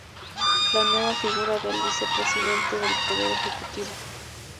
La nueva figura del Vicepresidente del Poder Ejecutivo.